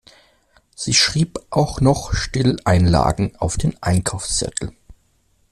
Sie schrieb auch noch Stilleinlagen auf den Einkaufszettel.